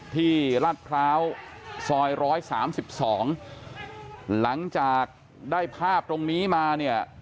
ที่ลาดพร้าวซอย๑๓๒หลังจากได้ภาพตรงนี้มาเนี่ย